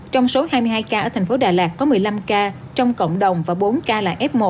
trong số hai mươi hai ca ở thành phố đà lạt có một mươi năm ca trong cộng đồng và bốn ca là f một